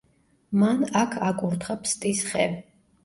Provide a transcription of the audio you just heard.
მან აქ აკურთხა ფსტის ხე.